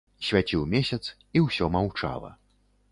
Свяціў месяц, і ўсё маўчала.